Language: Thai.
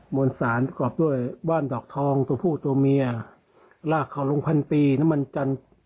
มวลสารประกอบด้วยบ้านดอกทองตัวผู้ตัวเมียลากเขาลงพันปีน้ำมันจันทร์